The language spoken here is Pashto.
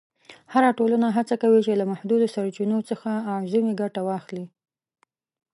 هره ټولنه هڅه کوي چې له محدودو سرچینو څخه اعظمي ګټه واخلي.